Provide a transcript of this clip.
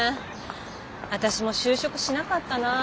私も就職しなかったな。